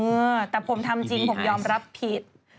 เออแต่ผมทำจริงผมยอมรับผิด